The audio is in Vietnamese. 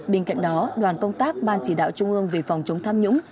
bên cạnh đó đoàn công tác ban chỉ đạo trung ương về phòng chống tham nhũng